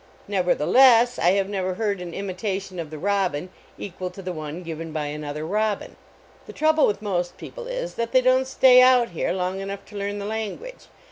Nevertheless, I have never heard an imita tion of the robin equal to the one given by another robin. The trouble with most peo ple is that they don t >tay out here long enough to learn the language.